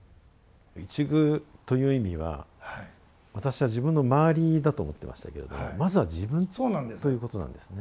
「一隅」という意味は私は自分の周りだと思ってましたけれどもまずは自分ということなんですね。